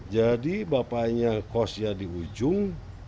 jadi bapaknya kosnya di ujung